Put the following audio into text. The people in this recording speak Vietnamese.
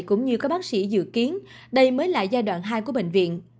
cũng như các bác sĩ dự kiến đây mới là giai đoạn hai của bệnh viện